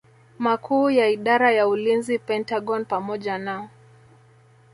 Makuu ya Idara ya Ulinzi Pentagon pamoja na